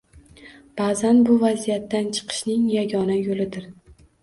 Ba’zan bu vaziyatdan chiqishning yagona yo‘lidir.